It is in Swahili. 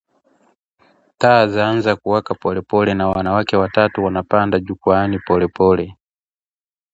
Taa zaanza kuwaka polepole na wanawake watatu wanapanda jukwaani polepole